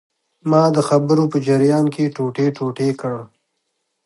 ما د خبرو په جریان کې ټوټې ټوټې کړ.